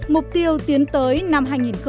mục tiêu tiến tới năm hai nghìn hai mươi năm